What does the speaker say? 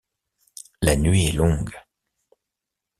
La nuit est longue.